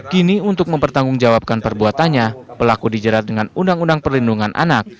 kini untuk mempertanggungjawabkan perbuatannya pelaku dijerat dengan undang undang perlindungan anak